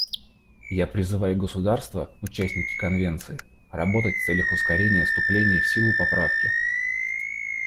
Я призываю государства — участники Конвенции работать в целях ускорения вступления в силу поправки.